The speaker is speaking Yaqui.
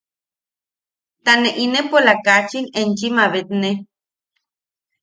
Ta ne inepola kachin enchi mabetne.